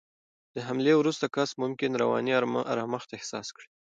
د حملې وروسته کس ممکن رواني آرامښت احساس کړي.